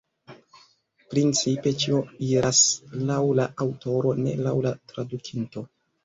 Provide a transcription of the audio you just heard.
Principe ĉio iras laŭ la aŭtoro, ne laŭ la tradukinto.